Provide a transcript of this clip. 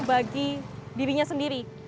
bagi dirinya sendiri